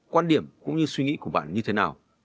quan điểm cũng như suy nghĩ của bạn như thế nào